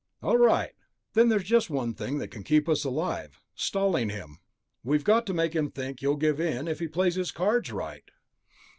All right, then there's just one thing that can keep us alive ... stalling him. We've got to make him think you'll give in if he plays his cards right."